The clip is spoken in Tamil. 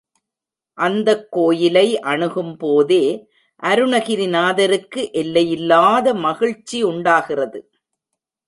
அந்தக் கோயிலை அணுகும்போதே அருணகிரிநாதருக்கு எல்லையில்லாத மகிழ்ச்சி உண்டாகிறது.